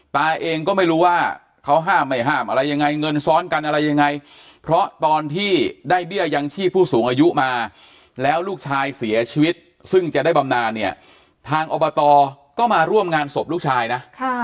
ตาเองก็ไม่รู้ว่าเขาห้ามไม่ห้ามอะไรยังไงเงินซ้อนกันอะไรยังไงเพราะตอนที่ได้เบี้ยยังชีพผู้สูงอายุมาแล้วลูกชายเสียชีวิตซึ่งจะได้บำนานเนี่ยทางอบตก็มาร่วมงานศพลูกชายนะ